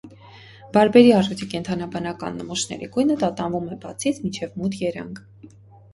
Բարբերի առյուծի կենդանաբանական նմուշների գույնը տատանվում է բացից մինչև մութ երանգ։